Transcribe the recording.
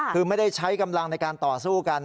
คือไม่ได้ใช้กำลังในการต่อสู้กัน